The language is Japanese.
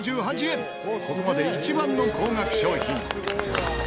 ここまで一番の高額商品。